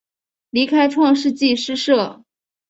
离开创世纪诗社。